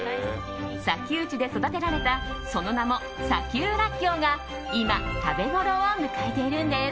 砂丘地で育てられたその名も、砂丘らっきょうが今、食べ頃を迎えているんです。